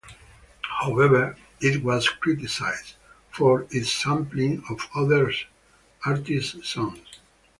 However, it was criticized for its sampling of other artists' songs.